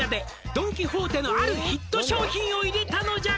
「ドン・キホーテのあるヒット商品を入れたのじゃが」